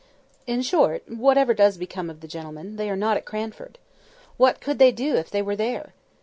In short, whatever does become of the gentlemen, they are not at Cranford. What could they do if they were there?